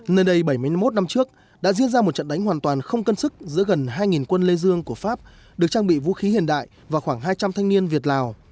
nơi đây bảy mươi một năm trước đã diễn ra một trận đánh hoàn toàn không cân sức giữa gần hai quân lê dương của pháp được trang bị vũ khí hiện đại và khoảng hai trăm linh thanh niên việt lào